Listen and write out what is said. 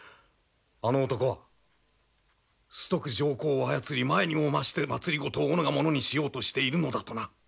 あの男は崇徳上皇を操り前にも増して政を己がものにしようとしているのだ」とな。